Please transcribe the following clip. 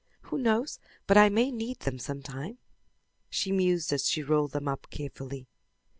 "Who knows but I may need them sometime?" she mused as she rolled them up carefully.